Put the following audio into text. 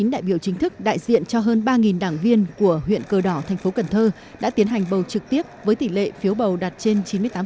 chín mươi đại biểu chính thức đại diện cho hơn ba đảng viên của huyện cờ đỏ thành phố cần thơ đã tiến hành bầu trực tiếp với tỷ lệ phiếu bầu đạt trên chín mươi tám